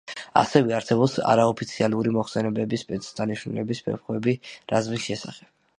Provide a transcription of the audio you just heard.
ასევე არსებობს არაოფიციალური მოხსენებები სპეცდანიშნულების „ვეფხვები“ რაზმის შესახებ.